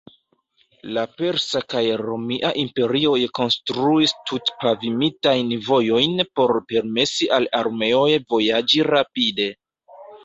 La persa kaj romia imperioj konstruis tut-pavimitajn vojojn por permesi al armeoj vojaĝi rapide.